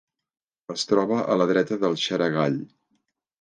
Es troba a la dreta del Xaragall.